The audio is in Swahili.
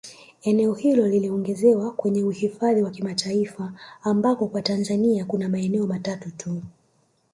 Eneo hilo liliongezwa kwenye uhidhafi wa kimataifa ambako kwa Tanzania kuna maeneo matatu tu